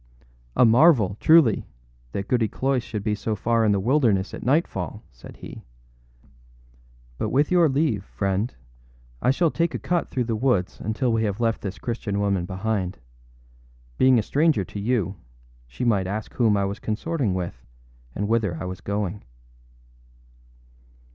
âA marvel, truly, that Goody Cloyse should be so far in the wilderness at nightfall,â said he. âBut with your leave, friend, I shall take a cut through the woods until we have left this Christian woman behind. Being a stranger to you, she might ask whom I was consorting with and whither I was going.